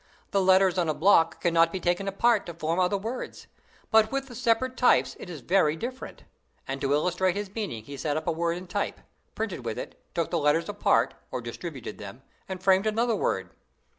The letters on a block cannot be taken apart to form other words; but with the separate types it is very different;" and to illustrate his meaning he set up a word in type, printed with it, took the letters apart, or "distributed" them, and framed another word.